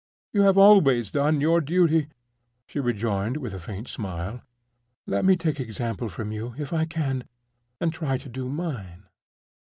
"You have always done your duty," she rejoined, with a faint smile. "Let me take example from you, if I can, and try to do mine."